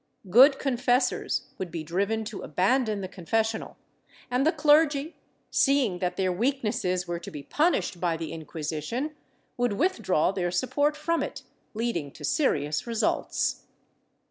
Good confessors would be driven to abandon the confessional, and the clergy, seeing that their weaknesses were to be punished by the Inquisition, would withdraw their support from it, leading to serious results.